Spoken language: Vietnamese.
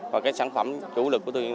và sản phẩm chủ lực của tôi